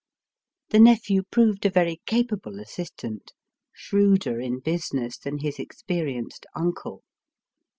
The nephew proved a very capable assistant, — shrewder in business than his experienced uncle.